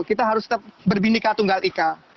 kita harus tetap berbindika tunggal ika